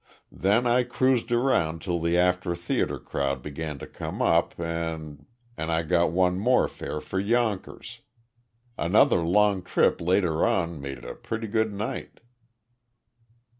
Then I cruised around till the after theater crowd began to come up an' an' I got one more fare for Yonkers. Another long trip later on made it a pretty good night."